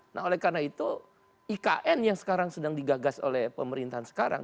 nah oleh karena itu ikn yang sekarang sedang digagas oleh pemerintahan sekarang